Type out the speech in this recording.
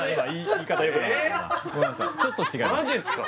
ちょっと違います